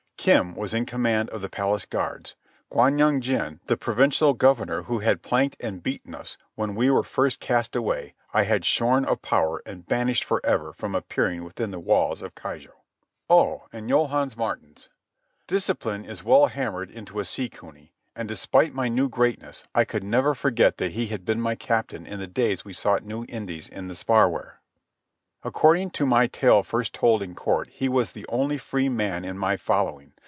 Kim was in command of the palace guards. Kwan Yung jin, the provincial governor who had planked and beaten us when we were first cast away, I had shorn of power and banished for ever from appearing within the walls of Keijo. Oh, and Johannes Maartens. Discipline is well hammered into a sea cuny, and, despite my new greatness, I could never forget that he had been my captain in the days we sought new Indies in the Sparwehr. According to my tale first told in Court, he was the only free man in my following.